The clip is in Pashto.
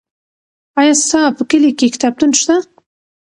آیا ستا په کلي کې کتابتون شته؟